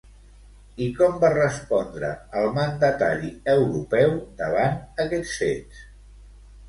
I com va respondre el mandatari europeu davant aquests fets?